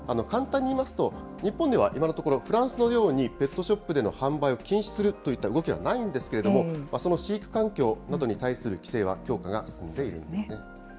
簡単に言いますと、日本では今のところ、フランスのようにペットショップでの販売を禁止するといった動きはないんですけれども、その飼育環境などに対する規制は強化が進んでいるんですね。